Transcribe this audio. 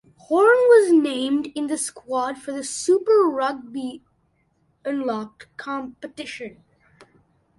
Horn was named in the squad for the Super Rugby Unlocked competition.